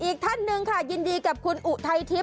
อีกท่านหนึ่งค่ะยินดีกับคุณอุทัยทิพย